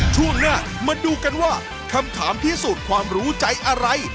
ช่วงหน้ามาดูกันว่าคำถามพิสูจน์ความรู้ใจอะไร